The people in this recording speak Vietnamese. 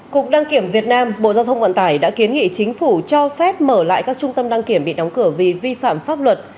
cục đăng kiểm việt nam bộ giao thông vận tải đã kiến nghị chính phủ cho phép mở lại các trung tâm đăng kiểm bị đóng cửa vì vi phạm pháp luật